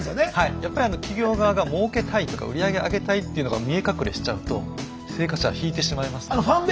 やっぱり企業側が儲けたいとか売上を上げたいっていうのが見え隠れしちゃうと生活者は引いてしまいますので。